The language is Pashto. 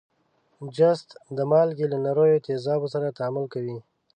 جست د مالګې له نریو تیزابو سره تعامل کوي.